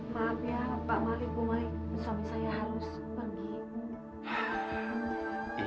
maaf ya pak malik bu malik suami saya harus pergi